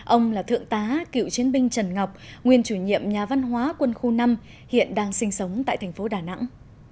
ông là thượng tá cựu chiến binh trần ngọc nguyên chủ nhiệm nhà văn hóa quân khu năm hiện đang sinh sống tại thành phố đà nẵng